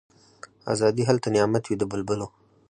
آزادي هلته نعمت وي د بلبلو